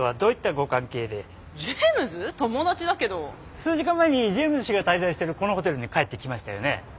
数時間前にジェームズ氏が滞在してるこのホテルに帰ってきましたよね？